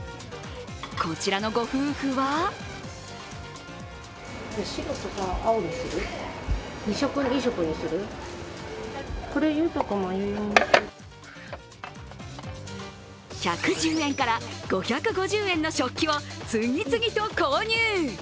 こちらのご夫婦は１１０円から５５０円の食器を次々と購入。